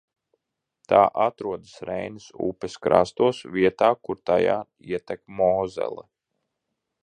Tā atrodas Reinas upes krastos, vietā, kur tajā ietek Mozele.